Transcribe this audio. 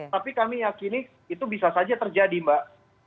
tapi kami yakini itu bisa saja terjadi mbak